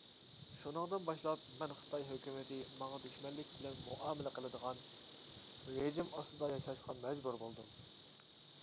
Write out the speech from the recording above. شۇنىڭدىن باشلاپ، مەن خىتاي ھۆكۈمىتى ماڭا دۈشمەنلىك بىلەن مۇئامىلە قىلىدىغان رېجىم ئاستىدا ياشاشقا مەجبۇر بولدۇم.